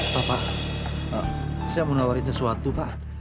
bapak saya mau nawarin sesuatu pak